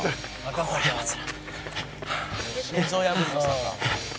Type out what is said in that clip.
「心臓破りの坂」